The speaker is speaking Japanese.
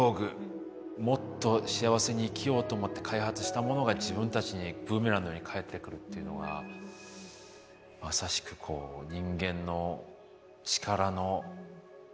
もっと幸せに生きようと思って開発したものが自分たちにブーメランのように返ってくるっていうのがまさしくこう人間の力のもろ刃の剣っていうんですかね。